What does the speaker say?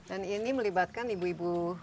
dan ini melibatkan ibu ibu